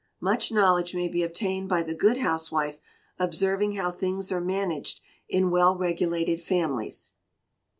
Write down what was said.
Much knowledge may be obtained by the good housewife observing how things are managed in well regulated families.